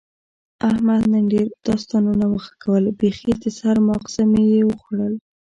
احمد نن ډېر داستانونه و غږول، بیخي د سر ماغز مې یې وخوړل.